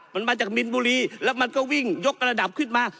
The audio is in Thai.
มันมาจากมินบุรีแล้วมันก็วิ่งยกระดับขึ้นมา